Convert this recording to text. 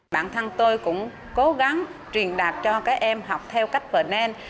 bản thân tôi cũng cố gắng truyền đạt cho các em học theo cách và nên